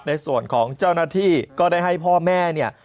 ในส่วนของเจ้าหน้าที่ก็ได้ให้พ่อแม่เนี่ย